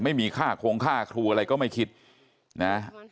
ไม่มีค่าคงค่าครูอะไรก็ไม่คิดนะ